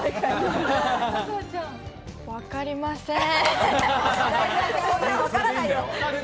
わかりません。